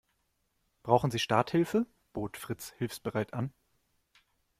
Brauchen Sie Starthilfe?, bot Fritz hilfsbereit an.